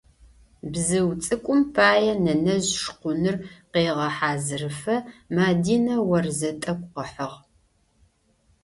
Бзыу цӏыкӏум пае нэнэжъ шкъуныр къегъэхьазырыфэ Мадинэ орзэ тӏэкӏу къыхьыгъ.